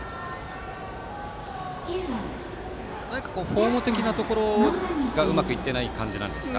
フォーム的なところがうまくいっていない感じですか？